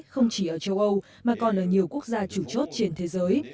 không chỉ ở châu âu mà còn ở nhiều quốc gia chủ chốt trên thế giới